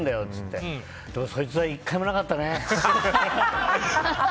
でも、そいつは１回もなかったね。